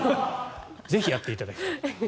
ぜひやっていただきたい。